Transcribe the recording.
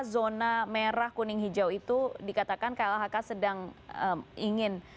zona merah kuning hijau itu dikatakan klhk sedang ingin